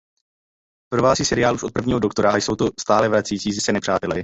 Provází seriál už od prvního Doktora a jsou to stále vracející se nepřátelé.